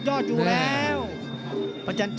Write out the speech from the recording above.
โอ้เล่น